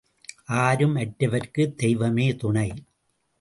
ஆரும் அற்றவருக்குத் தெய்வமே துணை.